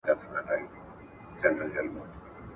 له هغه وخته چي ما پېژندی ..